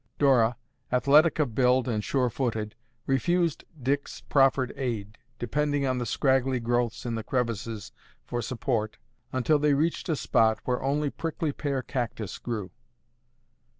Dora, athletic of build and sure footed, refused Dick's proffered aid, depending on the scraggly growths in the crevices for support until they reached a spot where only prickly pear cactus grew.